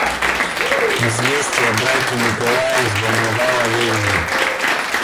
Известие о брате Николае взволновало Левина.